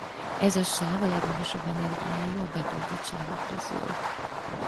Ez a sáv a legmagasabb energiájú a betöltött sávok közül.